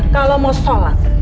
kalau mau salat